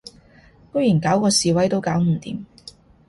居然搞嗰示威都搞唔掂